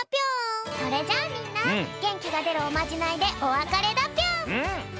それじゃあみんなげんきがでるおまじないでおわかれだぴょん！